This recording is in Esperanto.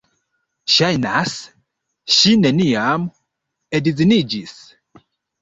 Ŝajnas, ŝi neniam edziniĝis.